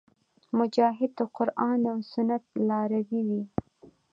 مجاهد د قرآن او سنت لاروی وي.